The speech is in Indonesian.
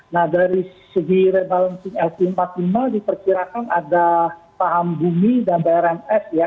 nah dari segi rebalancing lp empat puluh lima diperkirakan ada paham bumi dan brms ya